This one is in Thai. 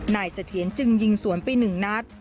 เสถียรจึงยิงสวนไปหนึ่งนัด